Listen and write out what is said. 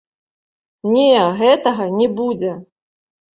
Не, гэтага не будзе!